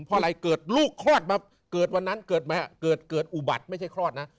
เพราะอะไรเกิดลูกคลอดมาเกิดวันนั้นเกิดมาเกิดเกิดอุบัติไม่ใช่คลอดนะ